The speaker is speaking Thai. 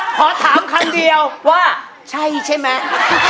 ขอถามคำเดียวว่าใช่ใช่ไหม